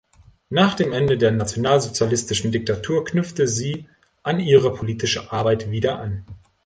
Nach dem Ende der nationalsozialistischen Diktatur knüpfte sie an ihre politische Arbeit wieder an.